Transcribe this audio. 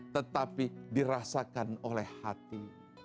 tetapi dirasakan oleh hati